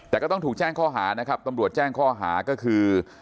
แต่ก็ต้องถูกแจ้งข้อหานะครับตำรวจแจ้งข้อหาก็คือ